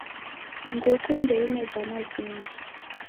Nguku ndeine vana vingi.